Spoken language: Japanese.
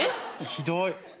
ひどい。